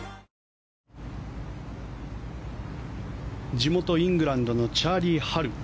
地元イングランドのチャーリー・ハル。